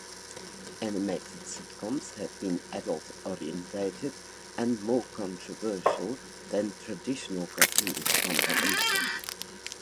Animated sitcoms have been adult-oriented and more controversial than traditional cartoons from the onset.